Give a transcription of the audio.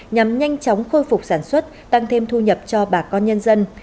nhằm nhanh chóng khôi phục sản xuất tăng thêm thu nhập cho bà con nhân dân